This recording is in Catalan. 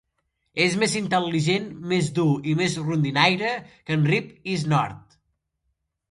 És més intel·ligent, més dur i més rondinaire que Rip i Snort.